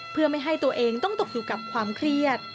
เพื่อไม่ให้ตัวเองต้องตกอยู่กับความเครียด